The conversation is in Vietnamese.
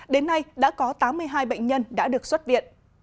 đến nay đã có tám mươi hai bệnh nhân đã được xuất viện